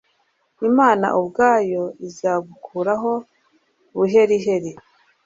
imana ubwayo izagukuraho buheriheri